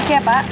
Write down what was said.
masih ya pak